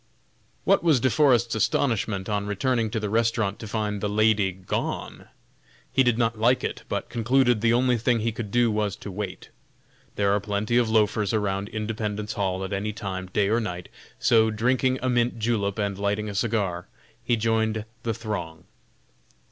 What was De Forest's astonishment on returning to the restaurant to find the lady gone! He did not like it, but concluded the only thing he could do was to wait. There are plenty of loafers around "Independence Hall" at any time, day or night, so drinking a mint julep and lighting a cigar, he joined the throng.